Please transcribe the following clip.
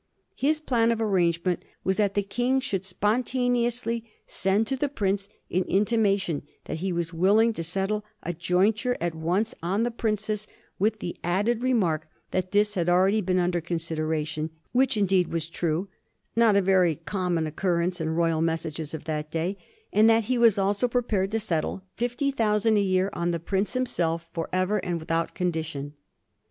His plan of arrangement was that the King should spontane ously send to the prince an intimation that he was willing to settle a jointure at once on the princess, with the added remark that this had already been under consideration — which indeed was true — not a very common occurrence in Royal messages of that day; and that he was also pre pared to settle fifty thousand a year on the prince himself forever and without condition.